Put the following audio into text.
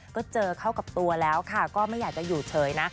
ก็เจอเข้ากับตัวแล้วค่ะก็ไม่อยากจะอยู่เฉยนะ